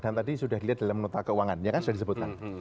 dan tadi sudah dilihat dalam nota keuangan ya kan sudah disebutkan